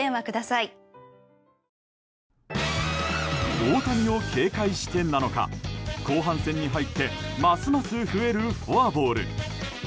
大谷を警戒してなのか後半戦に入ってますます増えるフォアボール。